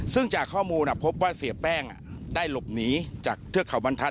ซึ่งจากข้อมูลพบว่าเสียแป้งได้หลบหนีจากเทือกเขาบรรทัศ